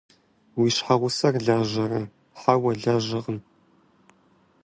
Уи щхьэгъусэр лажьэрэ? – Хьэуэ, лажьэркъым.